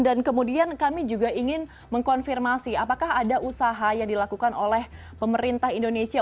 dan kemudian kami juga ingin mengkonfirmasi apakah ada usaha yang dilakukan oleh pemerintah indonesia